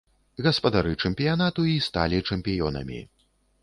Гаспадары чэмпіянату і сталі чэмпіёнамі.